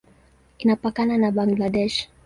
Inapakana na Bangladesh.